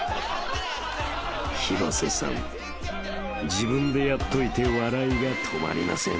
自分でやっといて笑いが止まりません］